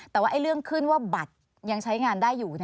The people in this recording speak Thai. แต่ว่าเรื่องขึ้นว่าบัตรยังใช้งานได้อยู่